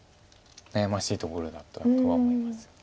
悩ましいところだったとは思います。